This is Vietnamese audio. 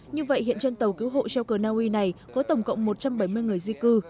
như vậy hiện trên tàu cứu hộ treo cờ naui này có tổng cộng một trăm bảy mươi người di cư